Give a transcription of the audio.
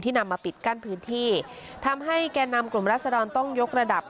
นำมาปิดกั้นพื้นที่ทำให้แก่นำกลุ่มรัศดรต้องยกระดับ